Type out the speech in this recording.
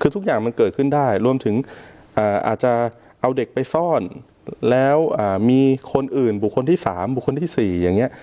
คือทุกอย่างมันเกิดขึ้นได้รวมถึงอาจจะเอาเด็กไปซ่อนแล้วมีคนอื่นบุคคลที่๓บุคคลที่๔อย่างนี้